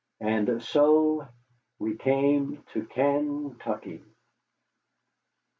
And so we came to Kaintuckee.